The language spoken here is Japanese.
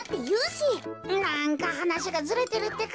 なんかはなしがずれてるってか。